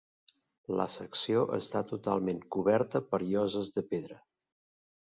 La secció està totalment coberta per lloses de pedra.